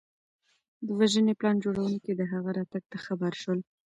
د وژنې پلان جوړونکي د هغه راتګ ته خبر شول.